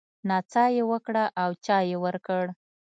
نڅا يې وکړه او چای يې ورکړ.